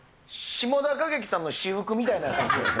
志茂田景樹さんの私服みたいになってる。